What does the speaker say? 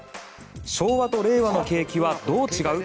昭和と令和の景気はどう違う？